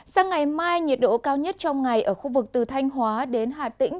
sang ngày mai nhiệt độ cao nhất trong ngày ở khu vực từ thanh hóa đến hà tĩnh